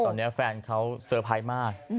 ตอนนี้แฟนเขาเซอร์ไพรส์มาก